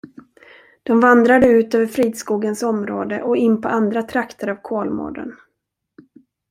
De vandrade ut över Fridskogens område och in på andra trakter av Kolmården.